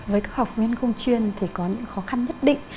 với các học viên không chuyên thì có những khó khăn nhất định